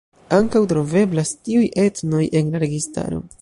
Ankaŭ troveblas tiuj etnoj en la registaro.